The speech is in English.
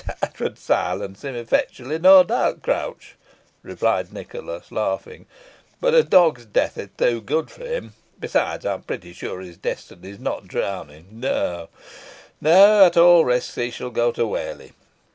"That would silence him effectually, no doubt, Crouch," replied Nicholas, laughing; "but a dog's death is too good for him, and besides I am pretty sure his destiny is not drowning. No, no at all risks he shall go to Whalley.